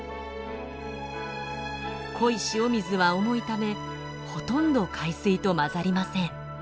濃い塩水は重いためほとんど海水と混ざりません。